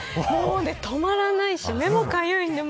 止まらないし目もかゆいんで。